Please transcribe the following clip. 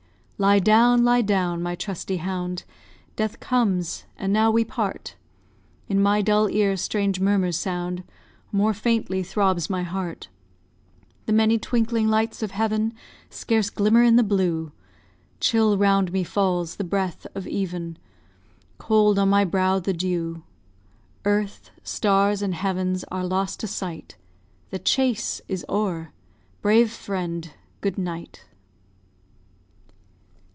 Lie down, lie down, my trusty hound! Death comes, and now we part. In my dull ear strange murmurs sound More faintly throbs my heart; The many twinkling lights of Heaven Scarce glimmer in the blue Chill round me falls the breath of even, Cold on my brow the dew; Earth, stars, and heavens are lost to sight The chase is o'er! brave friend, good night!